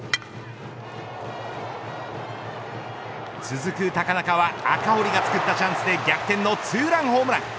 続く高中は赤堀が作ったチャンスで逆転のツーランホームラン。